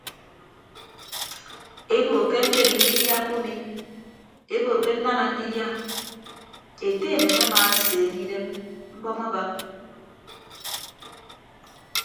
Ebo ke ñkedi ndidia kumi ebo ke nnana ndidia ete emem amaaseeme idem mbọm aba.